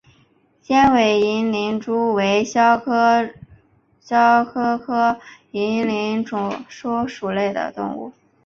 尖尾银鳞蛛为肖峭科银鳞蛛属的动物。